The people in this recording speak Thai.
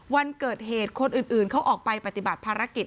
วันเกิดเหตุคนอื่นเขาออกไปปฏิบัติภารกิจ